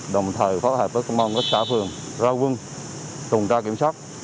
đồng thời phát hợp với công an các xã phường rao quân tùng tra kiểm soát